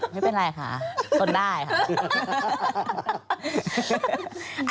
ไม่เป็นไรค่ะทนได้ค่ะ